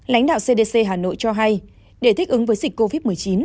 lãnh đạo cdc hà nội cho hay để thích ứng với dịch covid một mươi chín